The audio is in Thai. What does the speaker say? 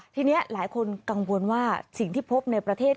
ทีนี้หลายคนกังวลว่าสิ่งที่พบในประเทศ